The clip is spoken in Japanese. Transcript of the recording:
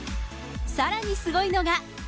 さらにすごいのが。